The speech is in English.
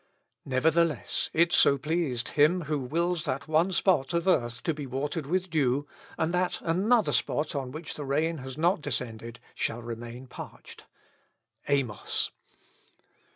Nevertheless, it so pleased Him who wills that one spot of earth be watered with dew, and that another spot on which the rain has not descended shall remain parched, (Amos.)